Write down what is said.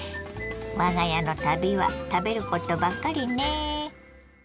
我が家の旅は食べることばっかりね。